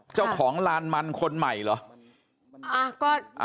เจ้าของลานมันคนใหม่เหรอ